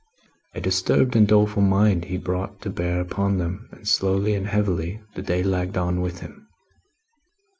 A disturbed and doleful mind he brought to bear upon them, and slowly and heavily the day lagged on with him.